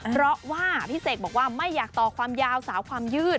เพราะว่าพี่เสกบอกว่าไม่อยากต่อความยาวสาวความยืด